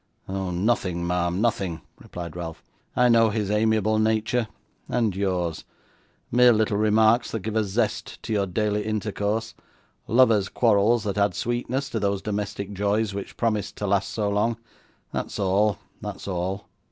'Oh! Nothing, ma'am, nothing,' replied Ralph. 'I know his amiable nature, and yours, mere little remarks that give a zest to your daily intercourse lovers' quarrels that add sweetness to those domestic joys which promise to last so long that's all; that's all.